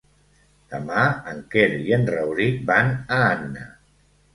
Demà en Quer i en Rauric van a Anna.